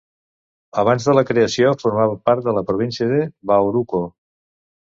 Abans de la creació formava part de la província de Baoruco.